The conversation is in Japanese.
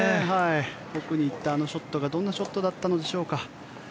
奥に行ったあのショットがどんなショットだったんでしょうか。